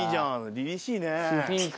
凛々しいね。